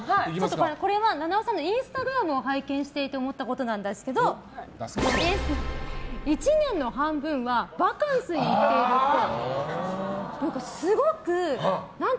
これは菜々緒さんのインスタグラムを拝見していて思ったことなんですけど１年の半分はヴァカンスに行っているっぽい。